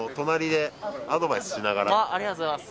ありがとうございます